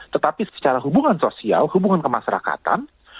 tetapi secara hubungan sosial hubungan kemasyarakatan